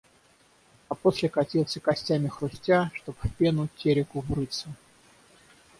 А после катился, костями хрустя, чтоб в пену Тереку врыться.